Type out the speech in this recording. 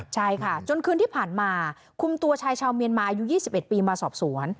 ใช่ค่ะจนคืนที่ผ่านมาคุมตัวชายชาวเมียนมาอายุ๒๑ปีมาสอบสวน